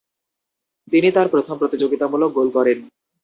তিনি তার প্রথম প্রতিযোগিতামূলক গোল করেন।